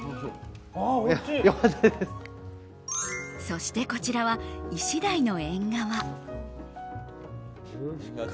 そして、こちらはイシダイのエンガワ。